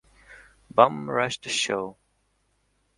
Bum Rush the Show.